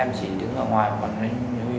em chỉ đứng ở ngoài